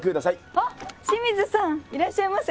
あっ清水さんいらっしゃいませ！